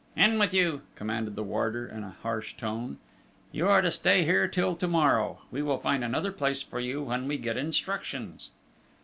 "In with you!" commanded the warder in a harsh tone. "You are to stay here till to morrow. We will find another place for you when we get instructions...."